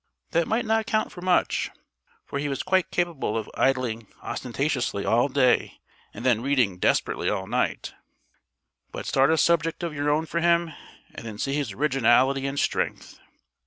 That might not count for much, for he was quite capable of idling ostentatiously all day and then reading desperately all night; but start a subject of your own for him, and then see his originality and strength.